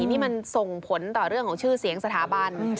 นี่มันส่งผลต่อเรื่องของชื่อเสียงสถาบัน